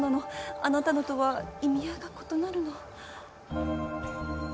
あなたのとは意味合いが異なるの。